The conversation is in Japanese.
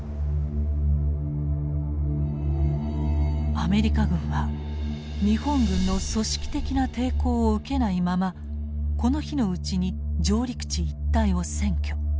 アメリカ軍は日本軍の組織的な抵抗を受けないままこの日のうちに上陸地一帯を占拠。